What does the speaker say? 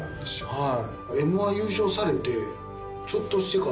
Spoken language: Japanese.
はい。